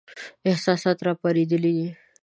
احساسات را پارېدلي دي.